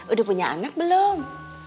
udah punya anak belum